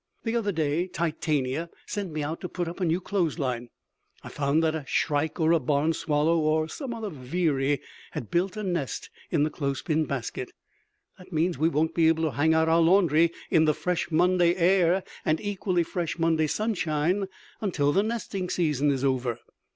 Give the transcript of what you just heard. The other day Titania sent me out to put up a new clothesline; I found that a shrike or a barn swallow or some other veery had built a nest in the clothespin basket. That means we won't be able to hang out our laundry in the fresh Monday air and equally fresh Monday sunshine until the nesting season is over.